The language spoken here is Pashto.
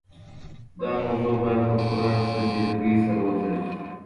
دا موضوع بايد په پوره سنجيدګۍ سره وڅېړل سي.